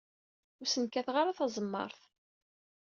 Ur sen-kkateɣ ara taẓemmaṛt.